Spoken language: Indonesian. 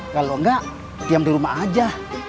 kalau enggak diam di rumah aja